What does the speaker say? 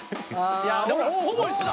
いやでもほぼ一緒だ。